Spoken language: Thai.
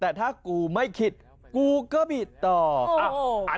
แต่ถ้ากูไม่คิดแต่คูไม่คิดงูก็บิดด่อ